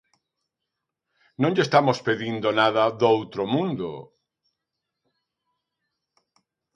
Non lle estamos pedindo nada do outro mundo.